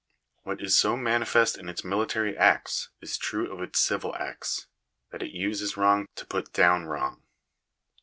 What is so manifest in its military acts is true of its civil acts, that it uses wrong to put down wrong.